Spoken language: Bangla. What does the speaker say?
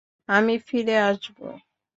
আমি ফিরে আসবো!